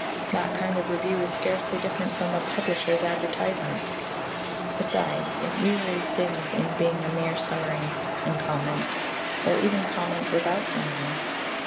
That kind of review is scarcely different from a publisher's advertisement. Besides, it usually sins in being mere summary and comment, or even comment without summary.